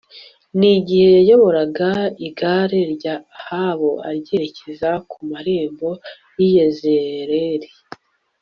nigihe yayoboraga igare rya Ahabu aryerekeza ku marembo yi Yezereli